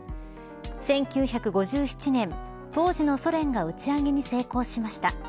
１９５７年当時のソ連が打ち上げに成功しました。